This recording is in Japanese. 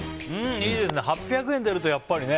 いいですね、８００円が出ると。